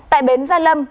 tại bến gia lâm